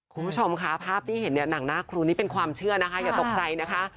คุณผู้ชมค่ะภาพที่เห็นเนี่ยหนังหน้าครูนี่เป็นความเชื่อนะคะอย่าตกใจนะคะ